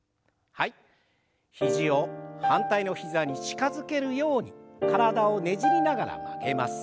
肘を反対の膝に近づけるように体をねじりながら曲げます。